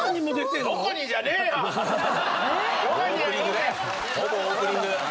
え⁉ほぼオープニング。